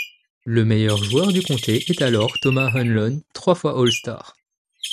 Le meilleur joueur du Comté est alors Thomas Hanlon, trois fois All-Star.